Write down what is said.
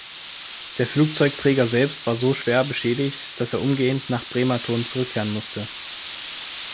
Der Flugzeugträger selbst war so schwer beschädigt, dass er umgehend nach Bremerton zurückkehren musste.